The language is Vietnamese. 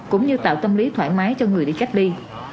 cũng như tạo tâm lý thoải mái cho người đi cách ly